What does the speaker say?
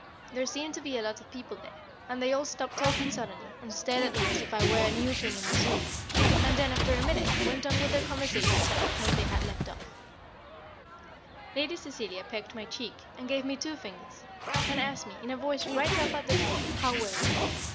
There seemed to be a lot of people there; and they all stopped talking suddenly, and stared at me as if I were a new thing in the Zoo, and then, after a minute, went on with their conversations at the point they had left off. [Sidenote: Afternoon Tea] Lady Cecilia pecked my cheek, and gave me two fingers; and asked me, in a voice right up at the top, how were you.